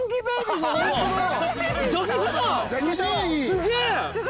すげえ！